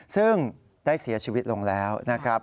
ซึ่งได้เสียชีวิตลงแล้วนะครับ